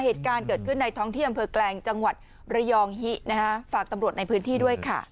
เหตุการณ์เกิดขึ้นในท้องที่อำเภอแกลงจังหวัดระยองฮินะฮะฝากตำรวจในพื้นที่ด้วยค่ะ